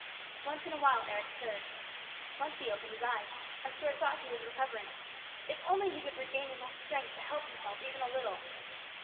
Once in a while Eric stirred. Once he opened his eyes, and Stuart thought he was recovering. If only he could regain enough strength to help himself even a little